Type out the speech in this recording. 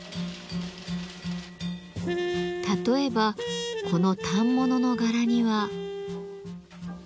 例えばこの反物の柄には。